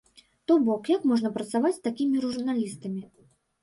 То бок, як можна працаваць з такімі журналістамі?